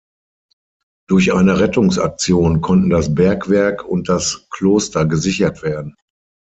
Durch eine Rettungsaktion konnten das Bergwerk und das Kloster gesichert werden.